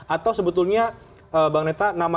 atau sebetulnya bang neta